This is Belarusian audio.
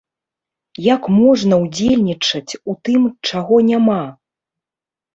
Як можна ўдзельнічаць у тым, чаго няма?